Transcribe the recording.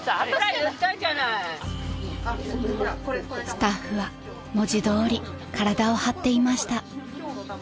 ［スタッフは文字どおり体を張っていました］